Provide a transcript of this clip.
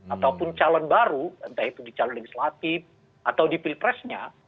ataupun calon baru entah itu di calon legislatif atau di pilpresnya